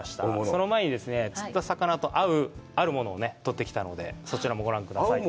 その前に、釣った魚とあうあるものをとってきたので、そちらもご覧ください。